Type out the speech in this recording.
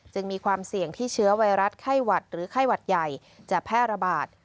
มีความเสี่ยงที่เชื้อไวรัสไข้หวัดหรือไข้หวัดใหญ่จะแพร่ระบาด